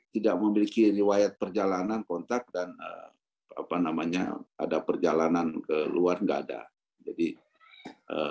tidak memiliki riwayat perjalanan kontak dan ada perjalanan ke luar tidak ada